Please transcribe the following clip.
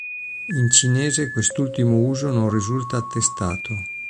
In cinese quest'ultimo uso non risulta attestato.